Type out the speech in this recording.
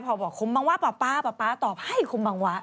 พ่อบอกคุมบังวะป๊าตอบให้คุมบังวะ